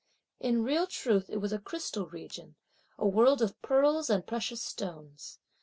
In real truth, it was a crystal region, a world of pearls and precious stones.